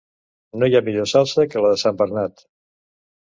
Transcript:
No hi ha millor salsa que la de sant Bernat.